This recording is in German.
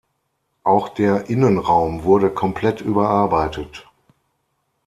Auch der Innenraum wurde komplett überarbeitet.